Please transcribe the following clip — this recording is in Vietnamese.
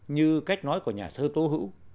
như cách nói của nhà thơ tố hữu